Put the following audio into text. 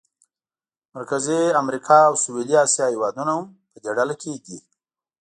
مرکزي امریکا او سویلي اسیا هېوادونه هم په دې ډله کې دي.